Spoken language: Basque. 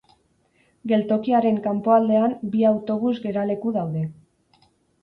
Geltokiaren kanpoaldean bi autobus geraleku daude.